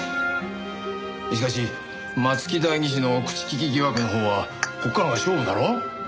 しかし松木代議士の口利き疑惑のほうはここからが勝負だろ？